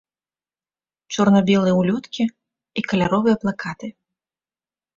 Чорна-белыя ўлёткі і каляровыя плакаты.